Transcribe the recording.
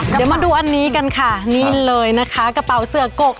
เดี๋ยวมาดูอันนี้กันค่ะนี่เลยนะคะกระเป๋าเสือกก